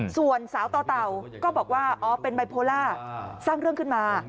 ส่วนสาวต่อเต่าก็บอกว่าอ๋อเป็นไบโพล่าสร้างเรื่องขึ้นมา